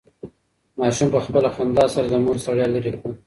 ماشوم په خپله خندا سره د مور ستړیا لرې کړه.